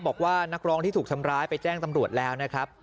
บอกว่านักร้องที่ถูกทำร้ายไปแจ้งตำรวจแล้วนะครับ